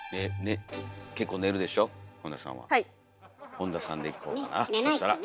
本田さんでいこうかなそしたら。